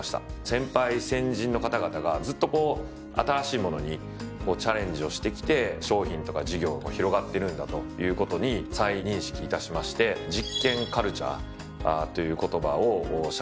先輩・先人の方々がずっとこう新しいものにチャレンジをしてきて商品とか事業も広がってるんだということに再認識いたしまして「実験カルチャー」という言葉を社内で作りました。